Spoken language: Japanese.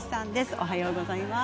おはようございます。